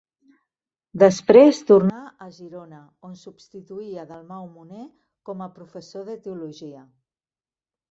Després tornà a Girona, on substituí a Dalmau Moner com a professor de teologia.